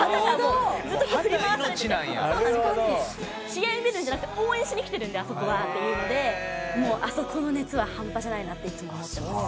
試合を見るんじゃなくて応援しに来てるんであそこはっていうのでもうあそこの熱はハンパじゃないなっていつも思ってます。